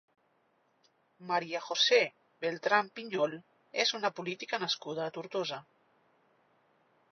María José Beltran Piñol és una política nascuda a Tortosa.